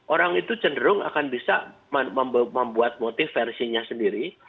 orang itu cenderung akan bisa membuat motif versinya sendiri